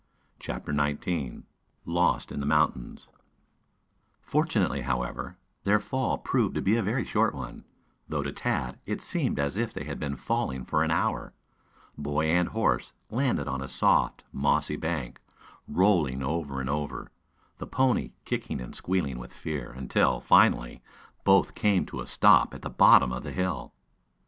CHAPTER XIX LOST IN THE MOUNTAINS Fortunately, however, their fall proved to be a very short one, though to Tad it seemed as if they had been falling for an hour. Boy and horse landed on a soft, mossy bank, rolling over and over, the pony kicking and squealing with fear, until, finally, both came to a stop at the bottom of the hill.